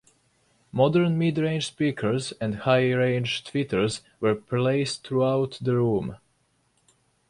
Modern mid-range speakers and high-range tweeters were placed throughout the room.